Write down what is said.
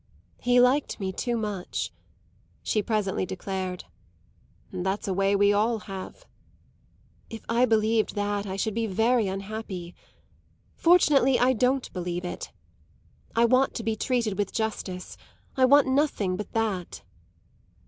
"He liked me too much," she presently declared. "That's a way we all have." "If I believed that I should be very unhappy. Fortunately I don't believe it. I want to be treated with justice; I want nothing but that."